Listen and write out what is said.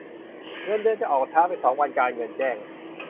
เงินเดือนจะออกช้าไปสองวัน การเงินแจ้ง